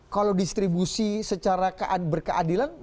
kalau distribusi secara berkeadilan